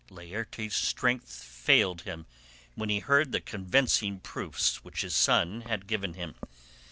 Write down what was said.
Laertes' strength failed him when he heard the convincing proofs which his son had given him.